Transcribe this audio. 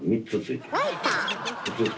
３つ？